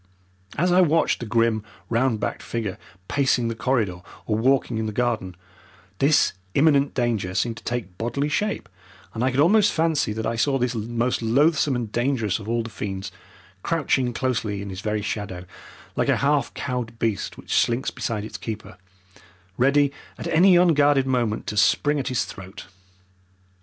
As I watched the grim, round backed figure pacing the corridor or walking in the garden, this imminent danger seemed to take bodily shape, and I could almost fancy that I saw this most loathsome and dangerous of all the fiends crouching closely in his very shadow, like a half cowed beast which slinks beside its keeper, ready at any unguarded moment to spring at his throat.